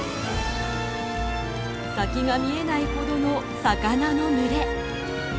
先が見えないほどの魚の群れ。